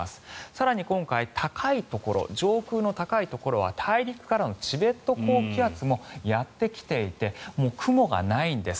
更に今回、高いところ上空の高いところは大陸からのチベット高気圧もやってきていて雲がないんです。